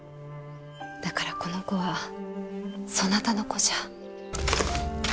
だからこの子はそなたの子じゃ。